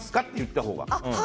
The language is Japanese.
って言ったほうが。